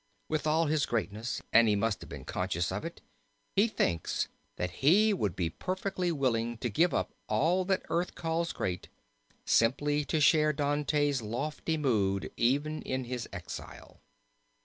With all his greatness, and he must have been conscious of it, he thinks that he would be perfectly willing to give up all that earth calls great, simply to share Dante's lofty mood even in his exile.